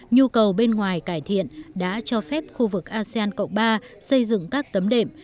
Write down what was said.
nhu cầu bên ngoài cải thiện đã cho phép khu vực asean cộng ba xây dựng các tấm đệm